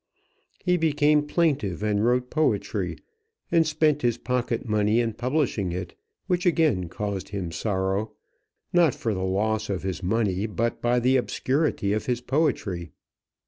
He became plaintive and wrote poetry, and spent his pocket money in publishing it, which again caused him sorrow, not for the loss of his money, but by the obscurity of his poetry.